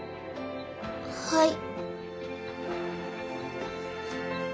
はい。